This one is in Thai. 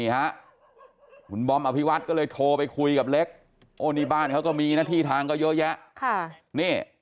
คุณบอมอภิวัตรก็เลยโทรไปคุยกับเล็กโอ้นี่บ้านเขาก็มีหน้าที่ทางก็เยอะแยะ